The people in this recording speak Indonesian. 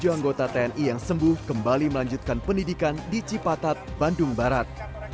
empat ratus lima puluh tujuh anggota tni yang sembuh kembali melanjutkan pendidikan di cipatat bandung barat